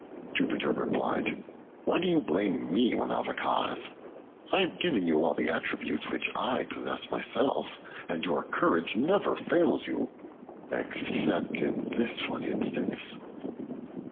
Jupiter replied, "Why do you blame me without a cause? I have given you all the attributes which I possess myself, and your courage never fails you except in this one instance."